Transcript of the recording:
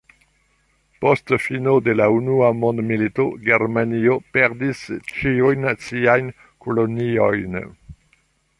Post fino de la unua mondmilito, Germanio perdis ĉiujn siajn koloniojn.